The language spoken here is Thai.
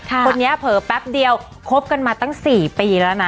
คนนี้เผลอแป๊บเดียวคบกันมาตั้ง๔ปีแล้วนะ